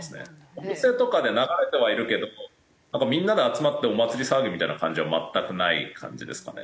お店とかで流れてはいるけどみんなで集まってお祭り騒ぎみたいな感じは全くない感じですかね。